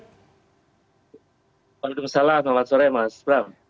waalaikumsalam selamat sore mas bram